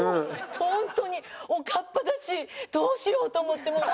おかっぱだしどうしようと思ってもう。